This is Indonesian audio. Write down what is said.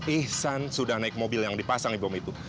ihsan sudah naik mobil yang dipasangin bom itu